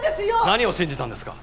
何を信じたんですか？